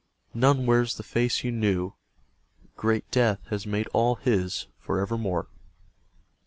None wears the face you knew. Great death has made all his for evermore.